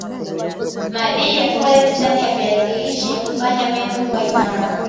madii ya foleti ndani ya viazi lishe hufanya meno kuwa imara